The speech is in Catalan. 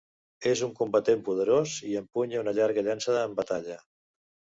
És un combatent poderós i empunya una llarga llança en batalla.